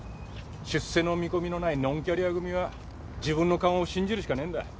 出世の見込みのないノンキャリア組は自分の勘を信じるしかねえんだ。